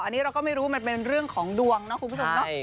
อันนี้เราก็ไม่รู้มันเป็นเรื่องของดวงนะคุณผู้ชมเนาะ